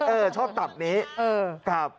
เออชอบตับนี้ครับ